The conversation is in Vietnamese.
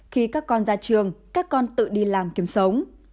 khi các con ra trường các con tự đi làm kiếm sống